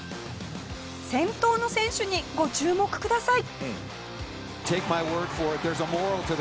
先頭の選手にご注目ください。